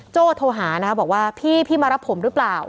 โจ๊กโทรหานะบอกว่าพี่พี่มารับผมรึเปล่า